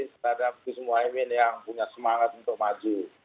terhadap gus muhaymin yang punya semangat untuk maju